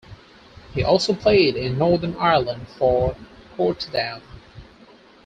He also played in Northern Ireland for Portadown.